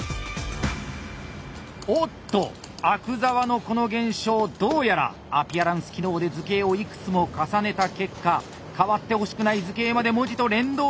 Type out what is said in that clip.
おっと阿久澤のこの現象どうやらアピアランス機能で図形をいくつも重ねた結果変わってほしくない図形まで文字と連動してしまったようです。